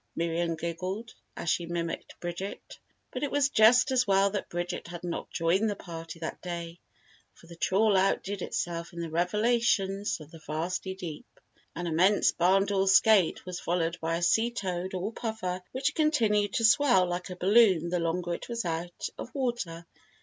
'" Miriam giggled as she mimicked Bridget. But it was just as well that Bridget had not joined the party that day for the trawl outdid itself in the revelations of the vasty deep. An immense barndoor skate was followed by a sea toad, or puffer, which continued to swell like a balloon the longer it was out of water.